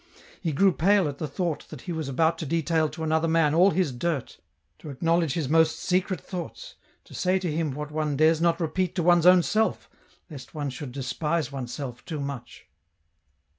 He grew pale at the thought that he was about to detail to another man all his dirt, to acknowledge his most secret thoughts, to say to him what one dares not repeat to one's own self, lest one should despise oneself too much.